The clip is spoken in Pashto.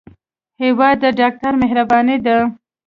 هېواد د ډاکټر مهرباني ده.